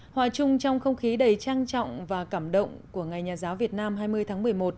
hòa chung trong không khí đầy trang trọng và cảm động của ngày nhà giáo việt nam hai mươi tháng một mươi một